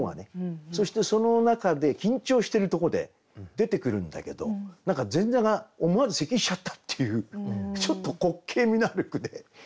そしてその中で緊張してるとこで出てくるんだけど何か前座が思わず咳しちゃったっていうちょっと滑稽味のある句で。